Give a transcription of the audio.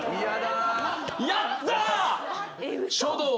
やった！